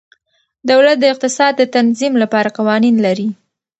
دولت د اقتصاد د تنظیم لپاره قوانین لري.